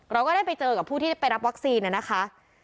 เราก็ได้ไปเจอกับผู้ที่ไปรับวัคซีนนะคะ